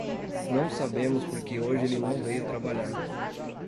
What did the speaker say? Não sabemos por que hoje ele não veio trabalhar.